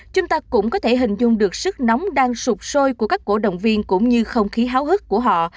chúng ta cũng có thể hình dung được sức nóng đang sụp sôi của các cổ động viên cũng như không khí háo hức của họ